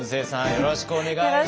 よろしくお願いします。